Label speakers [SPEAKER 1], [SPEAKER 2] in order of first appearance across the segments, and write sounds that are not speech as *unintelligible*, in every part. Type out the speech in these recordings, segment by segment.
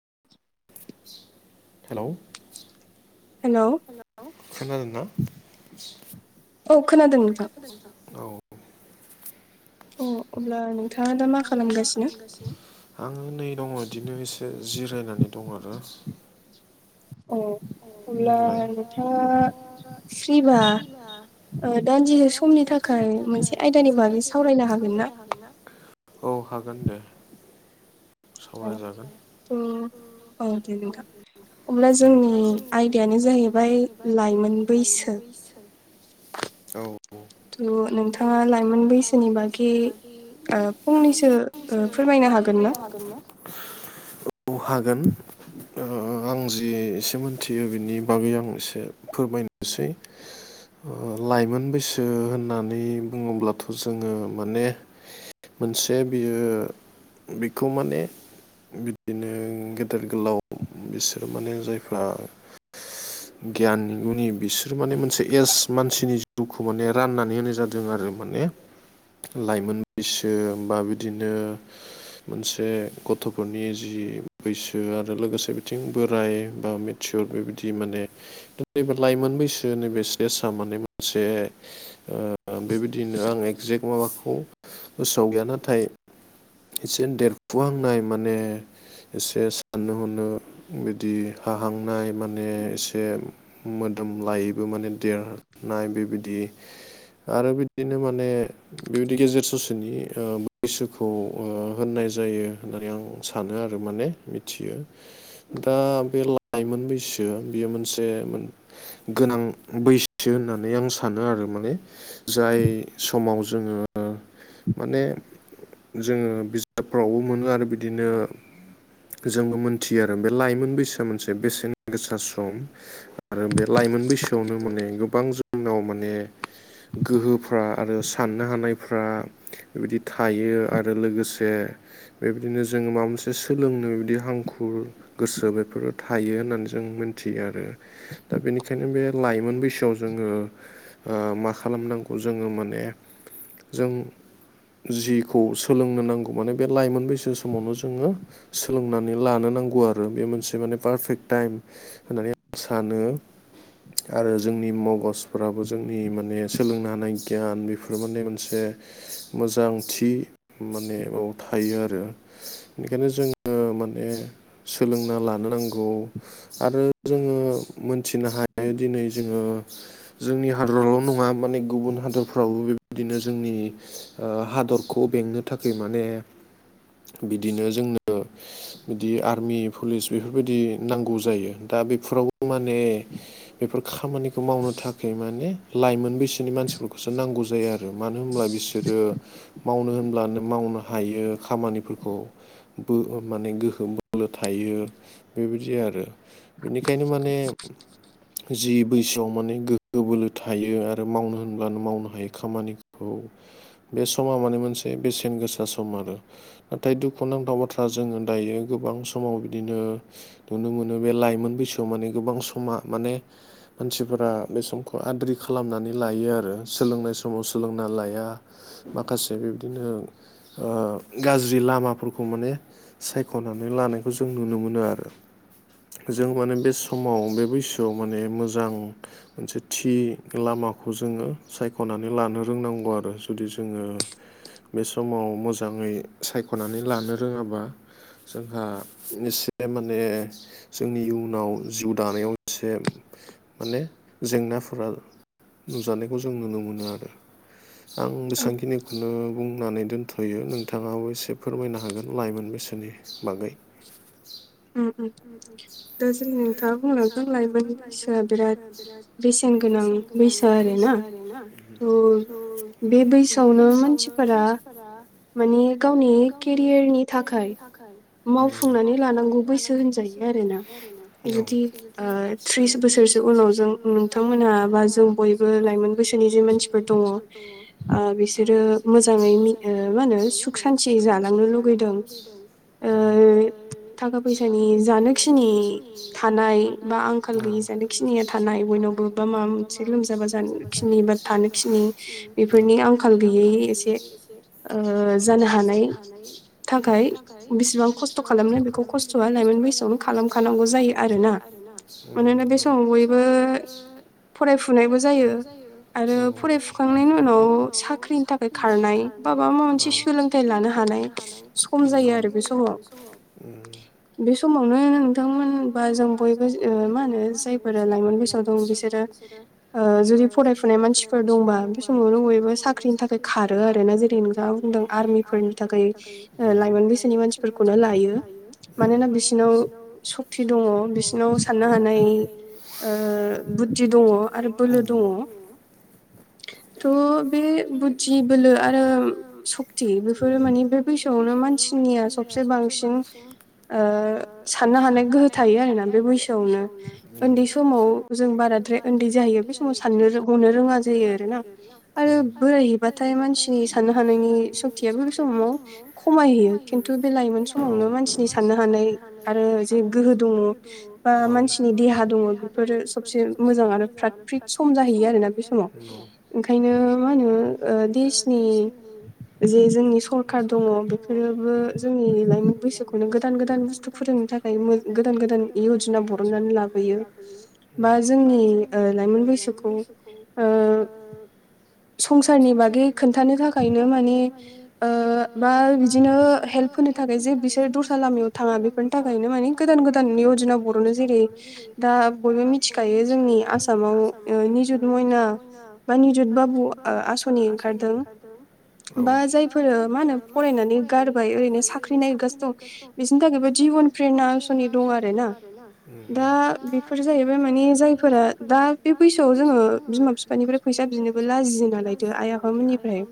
[SPEAKER 1] *inaudible*
[SPEAKER 2] हेल'
[SPEAKER 1] हेल'
[SPEAKER 2] खोनादोंना औ खोनादों नोंथां औ
[SPEAKER 1] अ अब्ला नोंथाङा दा मा खालामगासिनो
[SPEAKER 2] सो *inaudible* आङो नै दङ बिदिनो एसे जिरायनानै दं आरो
[SPEAKER 1] अ अब्ला नोंथाङा फ्रिबा ओ दान्दिसे समनि थाखाय मोनसे आयदानि बागै सावरायनो हागोन ना
[SPEAKER 2] औ हागोन दे
[SPEAKER 1] औ औ दे नोंथां अब्ला जोंनि आयदायानो जाहैबाय लाइमोन बैसो
[SPEAKER 2] औ
[SPEAKER 1] अ नोंथां
[SPEAKER 2] नोंथाङा लायमोन बैसोनि *unintelligible* ओ एसे फोरमायनो हागोना अ हागोन ओ आं जि एसे मोनथियो बिनि बागै आं एसे फोरमायनोसै लाइमोन बैसो होननानै बुङोब्लाथ जोङो माने मोनसे बियो बेखौ माने बिदिनो गेदेर गोलाव बिसोर माने जायफ्रा गियाननि गनि बिसोर माने मोनसे एस मानसिनि जिउखौ माने राननानै होनाय जादों जों आरो माने लाइमोन बैसो बा बिदिनो मोनसे गथफोरनि जि बैसो आरो लोगोसे बिथिं बोराय बा थिर बेबायदि माने नैबे लाइमोन बैसो नैबे सेसाआ माने मोनसे ओ ओ बेबायदिनो आं एगजेक्ट माबाखौ गोसोआव गैया नाथाय एसे देरफुहांनाय माने एसे साननो हनो बिदि हाहांनाय माने एसे मोदोम लायैबो माने देरनाय बेबायदि। आरो बिदिनो माने बेबायदि गेजेर ससेनि ओ बैसोखौ ओ होननाय जायो होननानै आं सानो आरो माने मिथियो। दा बे लाइमोन बैसो बेयो मोनसे गोनां बैसो होननानै आं सानो आरो माने। जाय समाव जोङो ओ माने जोङो बिजाबफ्रावबो मोनो आरो बिदिनो जोंबो मोनथियो आरो बे लाइमोन बैसोआ मोनसे बेसेन गोसा सम। आरो बे लाइमोन बैसोआवनो माने गोबां जोंनाव माने
[SPEAKER 1] *inaudible*
[SPEAKER 2] गोहोफ्रा आरो साननो हानायफ्रा बेबायदि थायो आरो लोगोसे बेबायदिनो जोङो माबा मोनसे सोलोंनो बिदि हांखुर गोसो बेफोर थायो होननानै जों मोनथियो आरो। दा बेनिखायनो बे लाइमोन बैसोआव जोङो ओ मा खालामनांगौ जोङो माने जों जिखौ सोलोंनो नांगौ माने बे लाइमोन बैसो समावनो जोङो सोलोंनानै लानो नांगौ आरो बे मोनसे माने पारफेक्ट टाइम। होननानै आं सानो आरो जोंनि मगसफोराबो जोंनि माने सोलोंनो हानाय गियान बेफोर माने मोनसे मोजांथि माने बे थायो आरो। बेखायनो जोङो ओ माने सोलोंना लानो नांगौ। आरो जोङो मोनथिनो हायो दिनै जोङो जोंनि हादरावल नङा माने गुबुन हादरफ्रावबो बेबायदिनो जोंनि ओ हादरखौ बेंनो थाखाय माने बिदिनो जोंनो ओ बिदि आर्मि पुलिस बेफोरबायदि नांगौ जायो। दा बेफोराव माने बेफोर खामानिखौ मावनो थाखाय माने लाइमोन बैसोनि मानसि फोरखौसो नांगौ जायो आरो। मानो होनब्ला बिसोरो मावनो होनब्लानो मावनो हायो खामानिफोरखौ। बो ओ माने गोहोम बोलो थायो बेबायदि आरो। बिनिखायनो माने जि बैसोआव माने गोहो बोलो थायो आरो ओ मावनो होनब्लानो मावनो हायो खामानिखौ। बे समा माने मोनसे बेसेन गोसा सम आरो। नाथाय दुखु नांथाव बाथ्रा जोङो दायो गोबां समाव बिदिनो नुनो मोनो बे लाइमोन बैसोआव माने गोबां समा माने मानसिफ्रा बे समखौ आद्रि खालामनानै लायो आरो। सोलोंनाय समाव सोलोंना लाया माखासे बि दिनो ओ गाज्रि लामाफोरखौ माने सायख'नानै लानायखौ जों नुनो मोनो आरो। जों माने बे समाव बे बैसोआव माने मोजां मोनसे थि लामा खौ जोङो सायख'नानै लानो रोंनांगौ आरो। जुदि जोङो बे समाव मोजाङै सायख'नानै लानो रोङाबा जोंहा एसे माने जोंनि इयुनाव जिउ दानायाव एसे माने जेंनाफोरा नुजानायखौ जों नुनो मोनो आरो आं बेसेबांखिनि खौनो बुंनानै दोनथ'यो नोंथाङाबो एसे फोरमायनो हागोन लाइमोन बैसोनि बागै
[SPEAKER 1] उम उम दा सो नोंथाङा बुंलांदों लाइमोन बैसोआ बिराद बेसेन गोनां बैसो आरो ना थ' बे बैसोआवनो मानसिफोरा
[SPEAKER 2] फोरा
[SPEAKER 1] माने गावनि केरियारनि थाखाय
[SPEAKER 2] थाखाय मावफुंनानै औ
[SPEAKER 1] माबा जों बयबो लाइमोन गोसोनि जे मानसिफोर दङ ओ बिसोरो मोजाङै मि ओ मा होनो सुख सान्थियै जालांनो लुगैदों ओ थाखाफ फैसानि जानोखिनि थानाय बा आंखाल गैयि जानोखिनिया थानाय बयनावबो बा माबा
[SPEAKER 2] औ
[SPEAKER 1] ओ जानो हानाय थाखाय बेसेबां खस्थ' खालामनो बेखौ
[SPEAKER 2] उम
[SPEAKER 1] फरायफुनायबो जायो आरो फरायफुखांनायनि उनाव साख्रिनि थाख
[SPEAKER 2] औ औ औ
[SPEAKER 1] बे समावनो नोंथांमोन बा जों बयबो मा होनो जायफोरा लाइमोन बैसोयाव दं बिसोरो
[SPEAKER 2] रो
[SPEAKER 1] ओ जुदि फरायफुनाय मानसिफोर दंबा बे समावनो बयबो साख्रिनि थाखाय खारो आरोना जेरै नोंथाङा बुंदों आर्मिफोरनि थाखाय ओ लाइमोन बैसोनि मानसिफोरखौनो लायो।
[SPEAKER 2] उम औ
[SPEAKER 1] ओ बुद्धि दङ आरो बोलो दङ थ' बे बुद्धि बोलो आरो सक्ति बेफोरो माने बे बैसोआवनो मानसिनिया सबसे बांसिन
[SPEAKER 2] *unintelligible*
[SPEAKER 1] ओ साननो हानाय गोहो थायो आरोना बे बैसोआवनो ओन्दै समाव जों बाराद्राय उन्दै जाहैयो बे समाव साननो हनो रोङा जायो आरो आरो बोरायहैबा नाथाय मानसिनि साननो हानायनि सक्तिया बे बे समाव खमायहैयो खिन्थु बे लाइमोन समावनो मान सिनि साननो हानाय आरो जे गोहो दङ बा मानसिनि देहा दङ फोरो सबसे मोजां आरो फ्रात फ्रित सम जाहैयो आरोना बे समाव ओंखायनो मा होनो ओ देसनि जे जोंनि सरखार दङ बेफोरोबो जोंनि लाइमोन बैसोखौनो गोदान गोदान बुस्थु फोरोंनो थाखाय मो गोदान गोदान यजना बरननानै लाबोयो बा
[SPEAKER 2] बा जोंनि लायमोन बैसोखौ ओ
[SPEAKER 1] संसारनि बागै खोन्थानो थाखायनो माने ओ बा बिदिनो हेल्प होनो थाखाय जि बिसोर दस खालामानो थाङा बिफोरनि थाखायनो माने गोदान गोदान निउजना बर'नो जेरै दा बयबो मिथिखायो जों जोंनि आसामाव ओ निजुत मयना बा निजुत बाबु ओ आसनि ओंखारदों। बा जायफोर मा होनो फरायनानै गारबाय ओरैनो साख्रि नागिरगासिनो दं।
[SPEAKER 2] उम
[SPEAKER 1] आ बेफोर जाहैबाय माने जायफोरा दा बे बैसोआव जोङो बिमा बिफानिफ्राय फैसा बिनोबो लाजियो नालाथो आइ आफामोननिफ्राय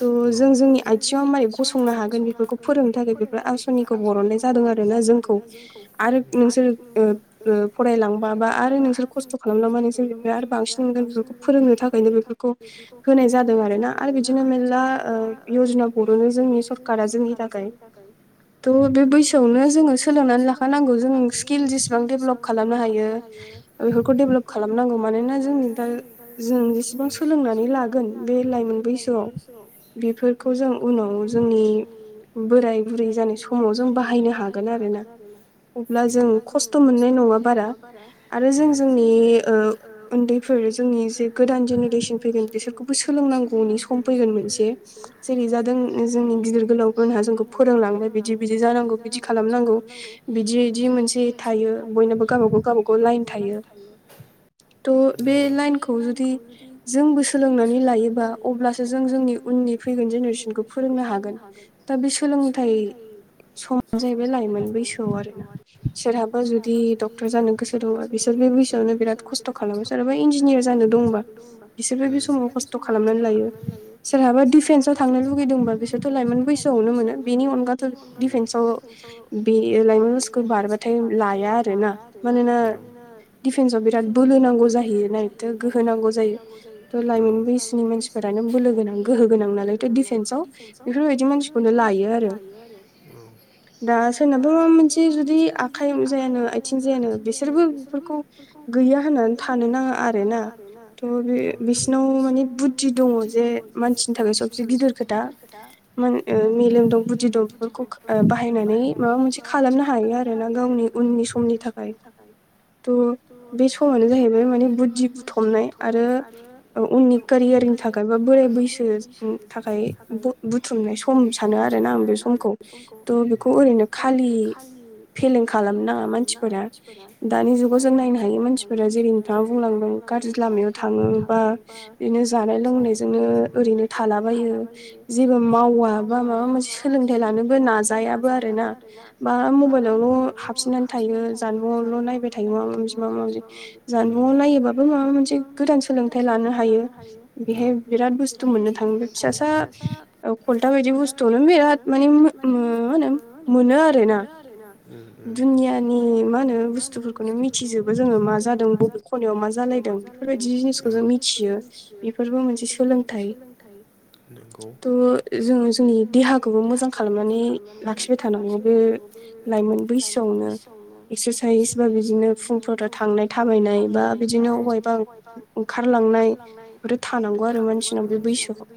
[SPEAKER 1] त' जों जोंनि आइथिंआव मारै गसंनो हागोन बेफोरखौ फोरोंनो थाखाय बेफोर आस निखौ बरननाय जादों आरो ना जोंखौ आरो नोंसोर ओ बो फरायलांबा बा आरो नोंसोर खस्थ' स्थ' खालामला मानो जोंनिफ्राय आरो बांसिन मोनगोन बेफोरखौ फोरोंनो थाखायनो बेफोरखौ होनाय जादों आरो ना आरो बिदिनो मेरला यजना बरो जोंनि सरखारा जोंनि थाखाय थह बे बैसोआवनो जोङो सोलोंनानै लाखानांगौ जों स्किल जेसेबां डेभलप खालामनो हायो *inaudible* बेफोरखौ डेभेलप खालामनांगौ मानोना जोंनि दा जों जेसेबां सोलोंनानै लागोन बे लाइमोन बैसो- *unintelligible* बेफोरखौ जों उनाव जोंनि बोराय बुरै जाबा समाव जों बाहायनो हागोन आरो ना अब्ला जों खस्थ' मोननाय नङा बारा आरो जों जोंनि उन्दैफोर जोंनि जे गोदान जेनेरेसन फैगोन बिसोरखौ सोलोंनांगौनि सम फैगोन मोनसे जेरै जादों जोंनि गिदिर गोलावमोनहा जोंखौ फोरोंलांबाय बिदि बिदि जानांगौ बिदि खालामनांगौ बिदि बिदि मोनसे थायो बयनोबो गावबा गाव गावबा गाव *unintelligible* थ' बे लाइनखौ जुदि जोंबो सोलोंनानै लायोबा अब्लासो जों जोंनि उननि फैगोन जेनेरेसनखौ फोरोंनो हागोन दा बे सोलोंथाइ समानो जाहैबाय लाइमोन बैसोआव आरो ना सोरहाबो जुदि डक्टर जानो गोसो दं बिसोर बे बैसोआव नो बिराद खस्थ' खालामो सोरनाबा इन्जिनियार जानो दंबा बिसोरबो बे समाव खस्थ' खालामनानै लायो सोरहाबा दिफेन्साव थांनो लुुबैदोंबा बिसोरथ' लाइमोन बैसोआवनो मोनो बेनि अनगाथ' डिफेन्सआव बे लाइमोन सकुल बारबाथाय लाया आरो ना मानोना दिफेन्साव बिराद बोलो नांगौ जाहैयो नायथ' गोहो नांगौ जायो थ' लाइमोन बैसोनि मानसि नो बोलो गोनां गोहो गोनां नालायथ' डिफेन्सआव बेफोरबायदि मानसिखौनो लायो आरो
[SPEAKER 2] उम
[SPEAKER 1] दा सोरनाबा माबा मोनसे जुदि आखाइ जायानो आथिं जायानो बिसोरबो बेफोरखौ गैया होननानै थानो नाङा आरोना थ' बे बिसिरनाव माने बुद्धि दङ जे मानसिनि थाखाय सबसे गिदिर खोथा मेलेम दं बुद्धि दं बेफोरखौ बाहायनानै माबा मोनसे खालामनो हायो आरो ना गावनि उननि समनि थाखाय थह बे समानो जाहैबाय माने बुद्धि बुथुमनाय आरो उननि केरियारनि थाखाय बा बोराय बैसोनि थाखाय बुथुमनाय सम खम सानो आरोना आं बे समखौ थ' बेखौ ओरैनो खालि फेलें खालामनो नाङा मानसिफोरा दानि जुगाव जों नायनो हायो मानसिफोरा जेरै नोंथाङा बुंलांदों गाज्रि लामायाव थाङो बा बिदिनो जानाय लोंनायजोंनो ओरैनो थालाबायो जेबो मावा बा माबा मोनसे सोलोंथाइ लानो नाजायाबो आरोना बा मबाइलावल' हाबसिननानै थायो जानबुंआवल' नायबाय थायोमोन माबा मोनसे माबा मोनसे जानबुंआव नायोबाबो माबा मोनसे गोदान सोलोंथाइ लानो हायो बेहाय बिराद बुस्थु मोननो थाङो फिसासा खलथा बायदि बुस्थुआवनो बिराद मानि मोन होन मोनो आरो ना
[SPEAKER 2] उम
[SPEAKER 1] दुनियानि मा होनो बुस्थुफोरखौनो मिथि मिथिजोबो जोङो मा जादों बे खनायाव मा जालायदों बेफोरबायदि जिनिसखौ जों मिथियो बेफोरबो मोनसे सोलोंथाइ
[SPEAKER 2] थायो नोंगौ
[SPEAKER 1] थ' जोङो जोंनि देहाखौबो मोजां खालामनानै लाखिबाय थानांगौ बे लाइमोन बैसोआवनो एक्सारसाइस बा बिदिनो फुंफोर थांनाय थाबायनाय बा बिदिनो बबेबा ओंखारलांनाय आरो थानांगौ आरो मानसिनाव बे बैसोआव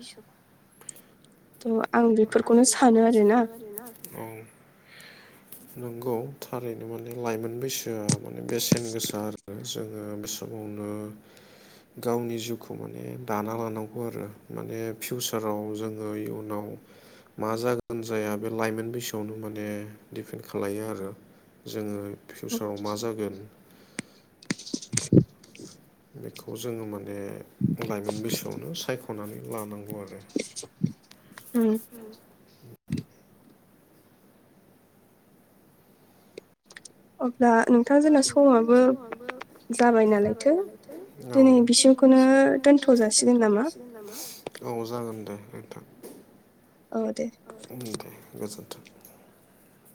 [SPEAKER 1] थ' आं बेफोरखौनो सा
[SPEAKER 2] *unintelligible*
[SPEAKER 1] *inaudible*
[SPEAKER 2] नंगौ थारैनो माने लाइमोन बैसोआ माने बेसेन गोसा आरो जोङो *unintelligible* गावनि जिउखौ माने दाना लानांगौ आरो माने फिउसाराव जोंङो इयुनाव मा जागोन जाया बे लाइमोन बैसोआवनो माने दिडपेन्ड खालामो आरो जोंङो फिउसाराव मा जागोन बेखौ जोंङो माने लाइमोन बैसोआवनो सायख'नानै लानांगौ आरो
[SPEAKER 1] उम अब्ला नोंथां जोंना समाबो जाबाय नालायथो दिनै बिसिमखौनो दोनथ' जासिगोन नामा
[SPEAKER 2] औ जागोन दे दोनथों दे। गोजोन्थों।